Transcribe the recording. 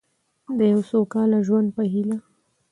د یو سوکاله ژوند په هیله.